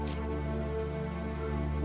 perintah lurah pada kalian